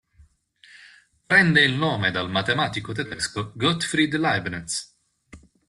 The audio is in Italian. Prende il nome dal matematico tedesco Gottfried Leibniz.